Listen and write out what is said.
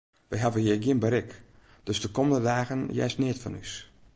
Wy hawwe hjir gjin berik, dus de kommende dagen hearst neat fan ús.